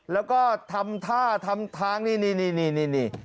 แล้วก็ทำท่าทำทางนี่นี่นี่